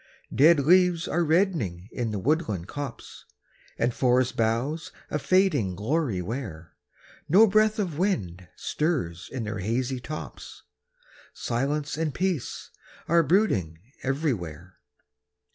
Dead leaves are reddening in the woodland copse, And forest boughs a fading glory wear; No breath of wind stirs in their hazy tops, Silence and peace are brooding everywhere.